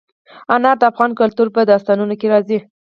انار د افغان کلتور په داستانونو کې راځي.